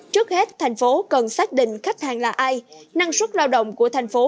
trước hết thành phố cần xác định khách hàng là ai năng suất lao động của thành phố